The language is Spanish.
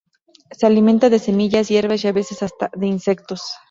Se alimenta de semillas, hierbas y a veces hasta de insectos.